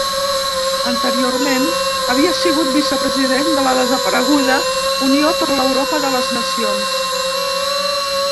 Anteriorment, havia sigut vicepresident de la desapareguda Unió per l'Europa de les Nacions.